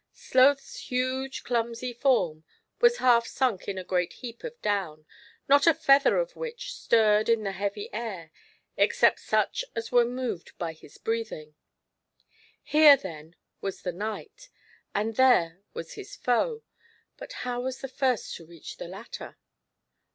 Sloth's huge, clumsy form was half sunk in a great heap of down, not a feather of which stirred in the heavy air, except such as were moved by his breathing. Here, then, was the knight, and there was his foe, but how was the first to reach the latter